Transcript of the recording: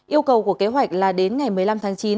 yêu cầu của kế hoạch là đến ngày một mươi năm tháng chín